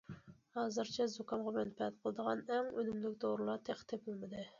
ھازىرچە زۇكامغا مەنپەئەت قىلىدىغان ئەڭ ئۈنۈملۈك دورىلار تېخى تېپىلمىدى.